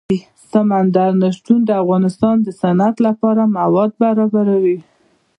سمندر نه شتون د افغانستان د صنعت لپاره مواد برابروي.